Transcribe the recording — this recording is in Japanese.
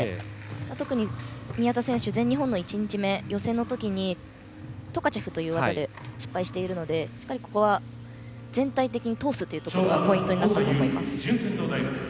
特に宮田選手全日本の１日目、予選の時にトカチェフという技で失敗しているのでしっかりここは全体的に通すことがポイントになったと思います。